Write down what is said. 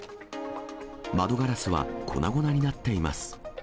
窓ガラスは粉々になっています。